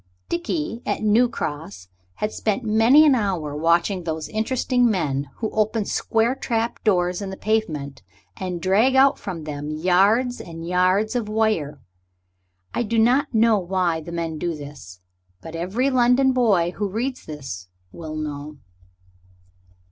Dickie at New Cross had spent many an hour watching those interesting men who open square trap doors in the pavement and drag out from them yards and yards of wire. I do not know why the men do this, but every London boy who reads this will know.